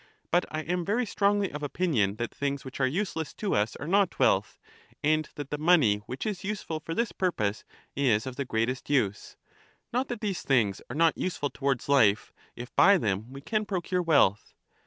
But I am very strongly of opinion that things which are useless to us are not wealth, and that the money which is useful for this purpose is of the greatest use ; not that these things are not useful towards life, if by them we can procure wealth.